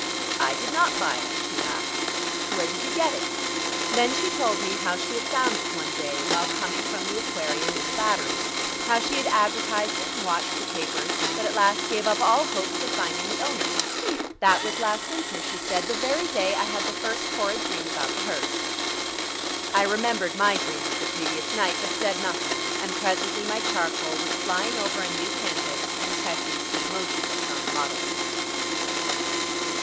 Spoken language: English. "I did not buy it," she laughed. "Where did you get it?" Then she told me how she had found it one day while coming from the Aquarium in the Battery, how she had advertised it and watched the papers, but at last gave up all hopes of finding the owner. "That was last winter," she said, "the very day I had the first horrid dream about the hearse." I remembered my dream of the previous night but said nothing, and presently my charcoal was flying over a new canvas, and Tessie stood motionless on the model stand.